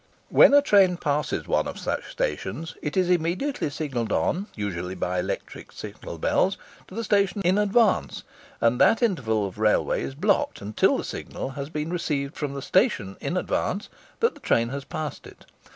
When a train passes one of such stations, it is immediately signalled on—usually by electric signal bells—to the station in advance, and that interval of railway is "blocked" until the signal has been received from the station in advance that the train has passed it.